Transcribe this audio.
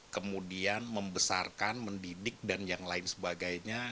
kemudian membesarkan mendidik dan yang lain sebagainya